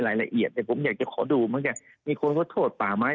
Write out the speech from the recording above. วันนี้ท่านนายกต้องรีบตัดสินใจ